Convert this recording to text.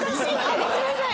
あっごめんなさい！